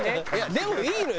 でもいいのよ！